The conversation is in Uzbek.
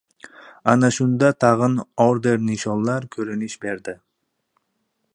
Ana shunda tag‘in orden-nishonlari ko‘rinish berdi.